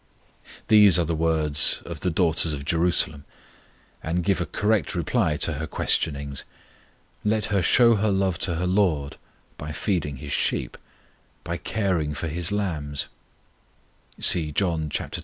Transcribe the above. These are the words of the daughters of Jerusalem, and give a correct reply to her questionings. Let her show her love to her LORD by feeding His sheep, by caring for His lambs (see John xxi.